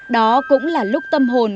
đó cũng là lúc tâm hồn